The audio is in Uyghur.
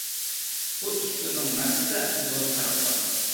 بۇ ئىككى سۆزنىڭ مەنىسىدە زور پەرق بار.